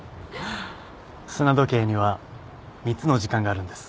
砂時計には３つの時間があるんです。